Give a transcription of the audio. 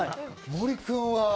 森君は？